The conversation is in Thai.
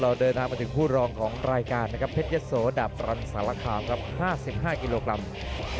เราเดินทางมาถึงผู้รองของรายการพัดยะโสดาบปลอนสาลาคาวน์๕๕กิโลกรัม